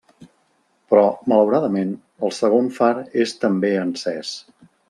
Però malauradament el segon far és també encès.